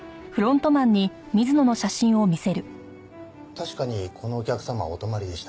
確かにこのお客様はお泊まりでした。